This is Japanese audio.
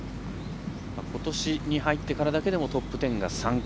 ことしに入ってからだけでもトップ１０が３回。